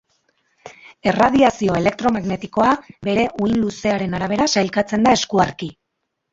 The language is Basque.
Erradiazio elektromagnetikoa bere uhin-luzeraren arabera sailkatzen da eskuarki.